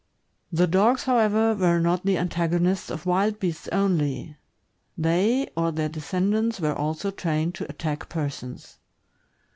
The dogs, however, were not the antagonists of wild beasts only; they or their descendants were also trained to attack persons.